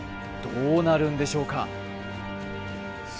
どうなるんでしょうか？